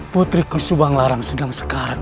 putriku subanglarang sedang sekarat